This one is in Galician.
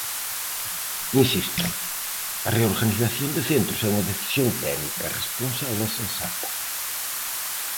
Insisto, a reorganización de centros é unha decisión técnica, responsable e sensata.